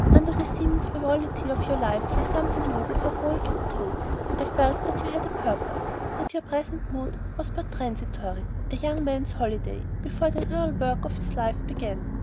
Under the seeming frivolity of your life lay something noble, heroic, and true. I felt that you had a purpose, that your present mood was but transitory a young man's holiday, before the real work of his life began.